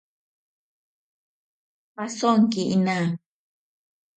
Pasonki ina.